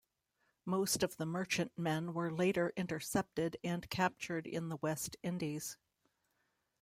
Most of the merchantmen were later intercepted and captured in the West Indies.